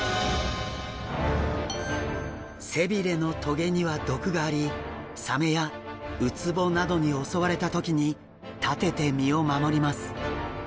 背鰭の棘には毒がありサメやウツボなどに襲われた時に立てて身を守ります。